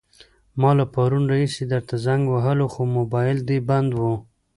ما له پرون راهيسې درته زنګ وهلو، خو موبايل دې بند وو.